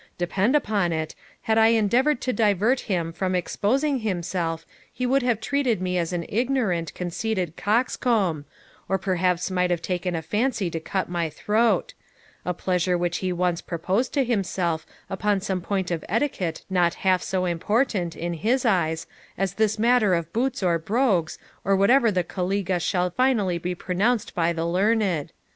Depend upon it, had I endeavoured to divert him from exposing himself he would have treated me as an ignorant, conceited coxcomb, or perhaps might have taken a fancy to cut my throat; a pleasure which he once proposed to himself upon some point of etiquette not half so important, in his eyes, as this matter of boots or brogues, or whatever the caliga shall finally be pronounced by the learned.